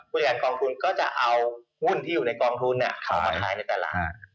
ผู้จัดการกองทุนก็จะเอาหุ้นที่อยู่ในกองทุนเข้ามาขายในตลาด